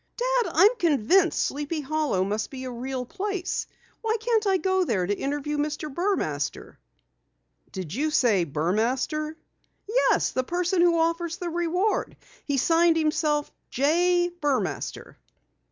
"Dad, I'm convinced Sleepy Hollow must be a real place. Why can't I go there to interview Mr. Burmaster?" "Did you say Burmaster?" "Yes, the person who offers the reward. He signed himself J. Burmaster."